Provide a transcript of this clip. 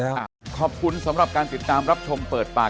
ให้เกิดผลสำเร็จดีกว่าที่จะเที่ยวไปกำเนินคดี